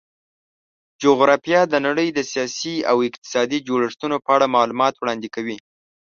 جغرافیه د نړۍ د سیاسي او اقتصادي جوړښتونو په اړه معلومات وړاندې کوي.